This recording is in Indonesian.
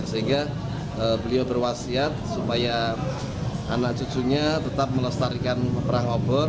sehingga beliau berwasiat supaya anak cucunya tetap melestarikan perang obor